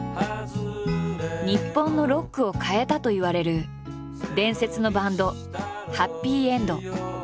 日本のロックを変えたといわれる伝説のバンドはっぴいえんど。